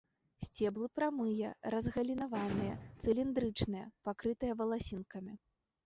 Сцеблы прамыя, разгалінаваныя, цыліндрычныя, пакрытыя валасінкамі.